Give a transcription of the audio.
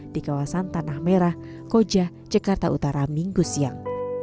di kawasan tanah merah koja jakarta utara minggu siang